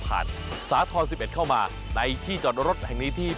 เอาล่ะเดินทางมาถึงในช่วงไฮไลท์ของตลอดกินในวันนี้แล้วนะครับ